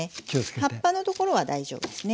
葉っぱのところは大丈夫ですね。